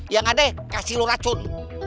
yang ada kasih lo racun